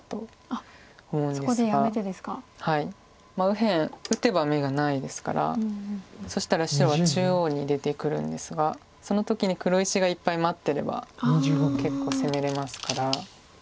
右辺打てば眼がないですからそしたら白は中央に出てくるんですがその時に黒石がいっぱい待ってれば結構攻めれますから。